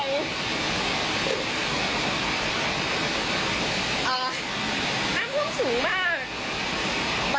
น้ำพวกสูงมาก